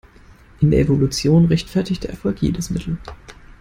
In der Evolution rechtfertigt der Erfolg jedes Mittel.